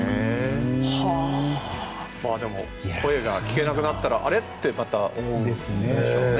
でも声が聞けなくなったらあれってまた思うんでしょうね。